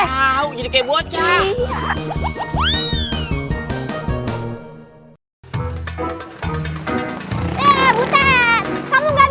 mau jadi kayak bocah